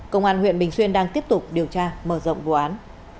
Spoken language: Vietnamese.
công an huyện bình xuyên đang tiếp tục điều tra mở rộng vụ án